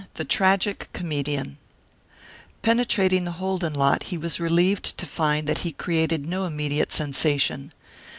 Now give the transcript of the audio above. THE TRAGIC COMEDIAN Penetrating the Holden lot he was relieved to find that he created no immediate sensation.